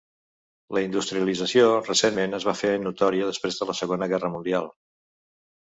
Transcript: La industrialització recentment es va fer notòria després de la Segona Guerra Mundial.